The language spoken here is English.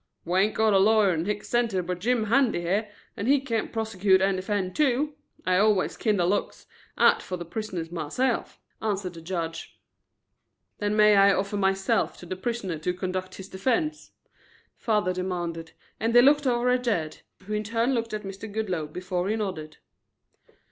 "We ain't got a lawyer in Hicks Center but Jim Handy here, and he can't prosecute and defend too. I always kinder looks out fer the prisoners myself," answered the judge. "Then may I offer myself to the prisoner to conduct his defense?" father demanded, and he looked over at Jed, who in turn looked at Mr. Goodloe before he nodded.